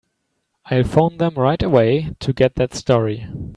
I'll phone them right away to get that story.